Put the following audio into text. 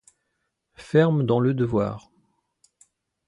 fermes dans le devoir.